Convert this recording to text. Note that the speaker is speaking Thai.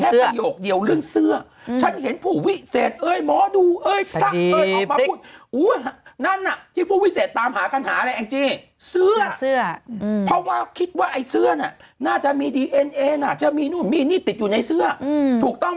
เรื่องเสื้อสักนึง